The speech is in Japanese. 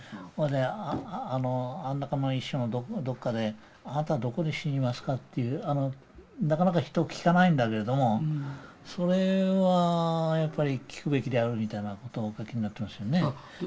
あの中の１章のどこかで「あなたはどこで死にますか？」っていうなかなか人聞かないんだけどもそれはやっぱり聞くべきであるみたいなことをお書きになってますよね。